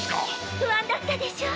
不安だったでしょう！